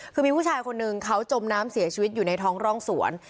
คือมีผู้ชายคนนึงเขาจมน้ำเสียชีวิตอยู่ในท้องร่องสวน